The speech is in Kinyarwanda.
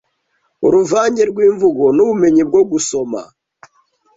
uruvange rwimvugo- nubumenyi bwo gusoma